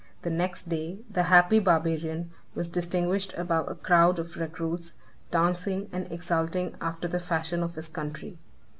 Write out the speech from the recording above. The next day, the happy barbarian was distinguished above a crowd of recruits, dancing and exulting after the fashion of his country.